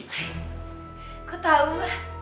kok tau lah